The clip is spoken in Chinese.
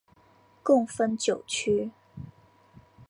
共分九区。